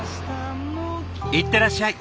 行ってらっしゃい。